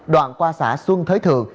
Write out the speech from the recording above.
đoạn qua xã xuân thới thường